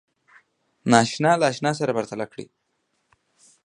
ناآشنا له آشنا سره پرتله کړئ